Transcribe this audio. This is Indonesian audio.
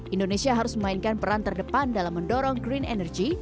indonesia harus memainkan peran terdepan dalam mendorong green energy